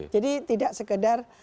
jadi tidak sekedar